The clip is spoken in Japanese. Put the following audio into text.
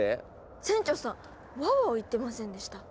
船長さん「ワオワオ」言ってませんでした？